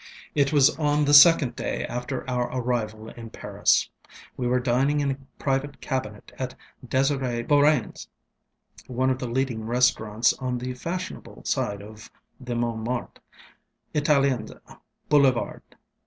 ŌĆ£It was on the second day after our arrival in Paris. We were dining in a private cabinet at D├®sir├® BeaurainŌĆÖs, one of the leading restaurants on the fashionable side of the MontmartreŌĆöItaliens Boulevard.